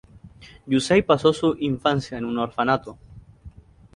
Yusei paso su infancia en un orfanato.